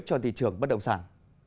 cho thị trường bất đồng sản